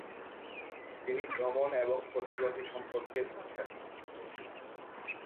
তিনি ভ্রমণ এবং ফটোগ্রাফি সম্পর্কে উৎসাহী।